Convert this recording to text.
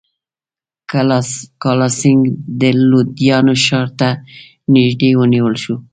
کالاسینګهـ د لودیانې ښار ته نیژدې ونیول شو.